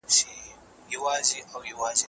د ټولنو مادي او معنوي جوړېدل اسان او ممکن دی.